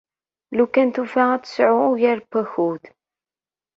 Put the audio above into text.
Lukan tufa ad tesɛu ugar n wakud.